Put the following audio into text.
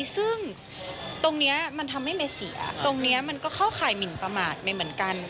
ซึ่งตรงนี้มันทำให้เมย์เสียตรงนี้มันก็เข้าข่ายหมินประมาทเมย์เหมือนกัน